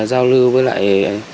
giao lưu với lại